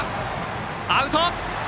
アウト。